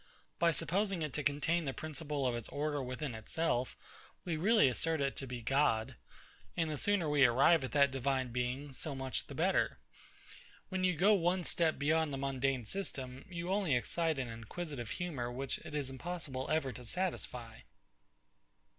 By supposing it to contain the principle of its order within itself, we really assert it to be God; and the sooner we arrive at that Divine Being, so much the better. When you go one step beyond the mundane system, you only excite an inquisitive humour which it is impossible ever to satisfy.